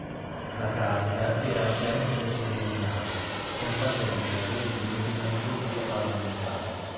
La carica era ampiamente cerimoniale, confacente al regime di una repubblica parlamentare.